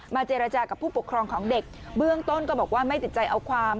เจรจากับผู้ปกครองของเด็กเบื้องต้นก็บอกว่าไม่ติดใจเอาความ